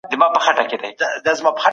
د خلګو د ژوند کچې ته پام وکړئ.